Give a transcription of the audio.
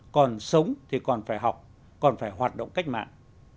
còn sống thì còn phải học còn phải hoạt động cách mạng